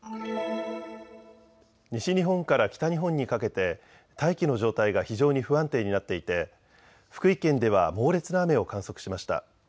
西日本から北日本にかけて大気の状態が非常に不安定になっていて福井県では猛烈な雨を観測しました。